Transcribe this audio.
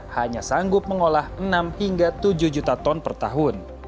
hanya sanggup mengolah enam hingga tujuh juta ton per tahun